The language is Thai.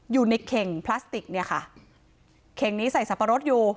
อยู่ในเข่งพลาสติกเนี่ยค่ะเข่งนี้ใส่สับปะรดอยู่